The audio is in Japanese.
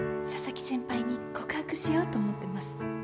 佐々木先輩に告白しようと思ってます。